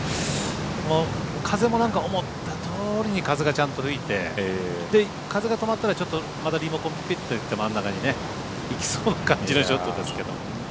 風も思った通りに風がちゃんと吹いて風が止まったらまたリモコン、ピュッとやって真ん中に行きそうな感じのショットですけど。